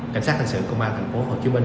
cảnh sát hình sự công an tp hcm